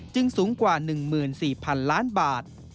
สูงกว่า๑๔๐๐๐ล้านบาท